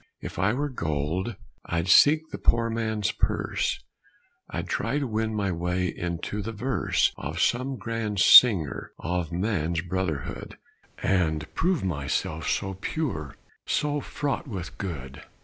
If I were gold, I'd seek the poor man's purse. I'd try to win my way into the verse Of some grand singer of Man's Brotherhood, And prove myself so pure, so fraught with good.